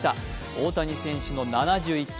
大谷選手の７１球。